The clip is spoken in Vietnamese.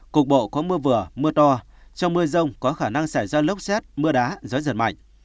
cục bộ có mưa vừa mưa to trong mưa rông có khả năng xảy ra lốc xét mưa đá gió giật mạnh